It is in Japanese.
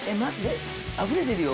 あふれてるよ